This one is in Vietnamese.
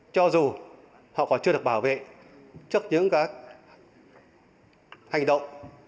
cho dù họ còn chưa được bảo vệ trước những hành động